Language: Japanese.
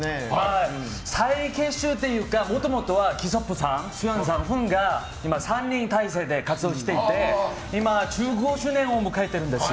再結集というかもともとはイライさん、キソプ、フンが３人体制で活動していて今１５周年を迎えているんです。